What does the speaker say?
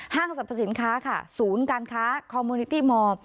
สรรพสินค้าค่ะศูนย์การค้าคอมมูนิตี้มอร์